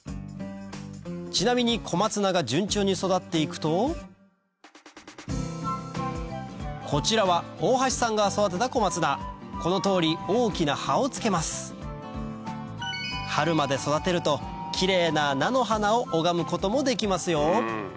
ちなみにコマツナが順調に育って行くとこちらはこの通り大きな葉をつけます春まで育てるとキレイな菜の花を拝むこともできますよ